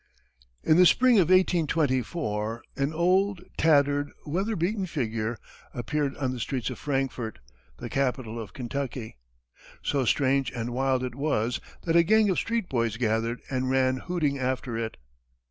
In the spring of 1824, an old, tattered, weather beaten figure appeared on the streets of Frankfort, the capital of Kentucky. So strange and wild it was that a gang of street boys gathered and ran hooting after it.